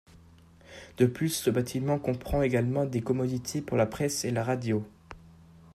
De plus le bâtiment comprend également des commodités pour la presse et la radio.